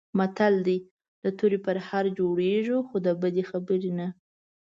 متل دی: د تورې پرهر جوړېږي، خو د بدې خبرې نه.